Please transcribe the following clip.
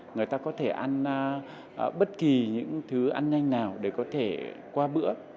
người ta có thể ăn bất kỳ những thứ ăn nhanh nào để có thể qua bữa